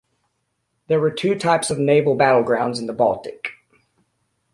There were two types of naval battlegrounds in the Baltic.